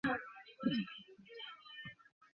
ছবিটি একটি বিভাগে জাতীয় চলচ্চিত্র পুরস্কার লাভ করে।